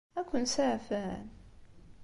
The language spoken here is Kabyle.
Ad ken-saɛfen?